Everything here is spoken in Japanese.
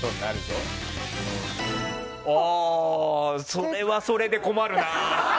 それはそれで困るな。